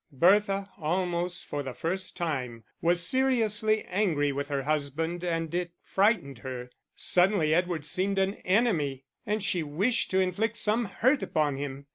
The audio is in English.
Bertha, almost for the first time, was seriously angry with her husband and it frightened her suddenly Edward seemed an enemy, and she wished to inflict some hurt upon him.